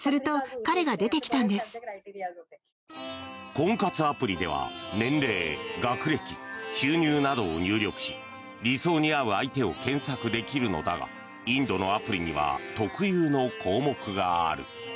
婚活アプリでは年齢、学歴、収入などを入力し理想に合う相手を検索できるのだがインドのアプリには特有の項目がある。